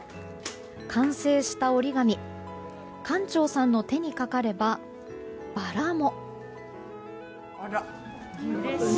完成した折り紙館長さんの手にかかればバラも。